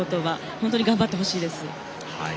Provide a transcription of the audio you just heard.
本当に頑張ってほしいです。